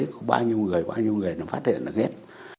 có bao nhiêu người bao nhiêu người nó phát hiện được hết